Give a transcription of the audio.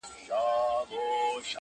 پوره اتلس سوه کاله چي خندا ورکړه خو~